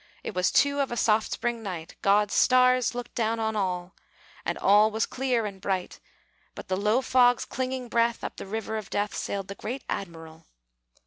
It was two of a soft spring night; God's stars looked down on all; And all was clear and bright But the low fog's clinging breath; Up the River of Death Sailed the great Admiral.